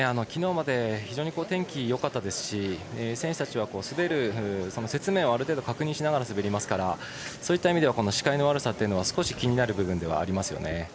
昨日まで天気がよかったですし選手たちは滑る雪面をある程度確認しながら滑りますからそういった意味では視界の悪さは少し気になる部分ではありますね。